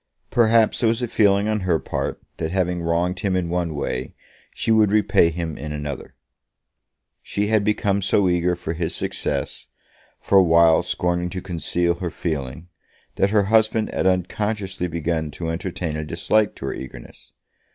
Perhaps there was a feeling on her part that having wronged him in one way, she would repay him in another. She had become so eager for his success, for a while scorning to conceal her feeling, that her husband had unconsciously begun to entertain a dislike to her eagerness.